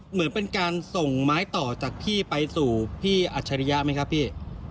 เหมือนเป็นการส่งไม้ต่อจากพี่ไปสู่พี่อัจฉริยะไหมครับพี่